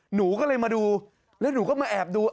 หนูก็เลยมาดูแล้วหนูก็มาแอบดู